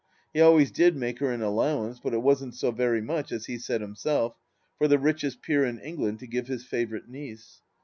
He always did make her an allowance, but it wasn't so very much, as he said himself, for the richest peer in England to give his favourite niece.